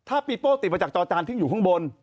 ถ้าปีโป้ติดมาจากจอจานซึ่งอยู่ข้างบน